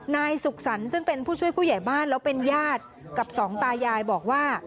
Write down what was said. นายสุขสรรค์ซึ่งเป็นผู้ช่วยผู้ใหญ่บ้านแล้วเป็นญาติกับสองตายายบอกว่า